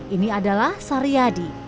ini adalah saryadi